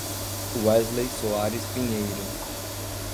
Wesley Soares Pinheiro